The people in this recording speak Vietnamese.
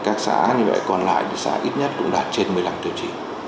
các xã còn lại xã ít nhất cũng đạt trên một mươi năm tiêu chí